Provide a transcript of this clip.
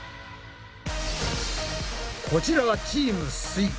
こちらはチームすイ。